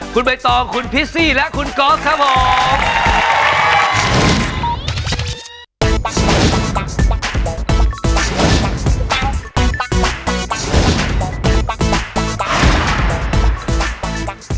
คุณใบตองคุณพิซซี่และคุณก๊อฟครับผม